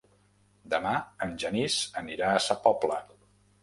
Demà en Genís anirà a Sa Pobla.